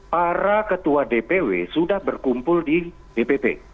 para ketua dpw sudah berkumpul di dpp